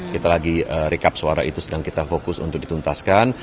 kita lagi recap suara itu sedang kita fokus untuk dituntaskan